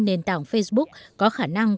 nền tảng facebook có khả năng